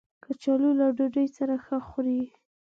کچالو له ډوډۍ سره ښه خوري